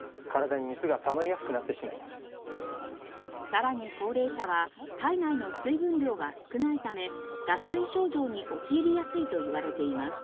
さらに高齢者は体内の水分量が少ないため脱水症状に陥りやすいといわれています。